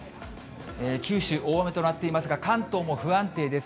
九州、大雨となっていますが、関東も不安定です。